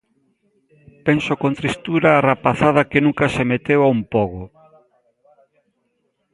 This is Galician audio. Penso con tristura a rapazada que nunca se meteu a un pogo.